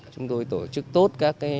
chúng tôi tổ chức tốt